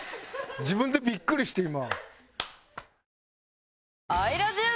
自分でビックリして今。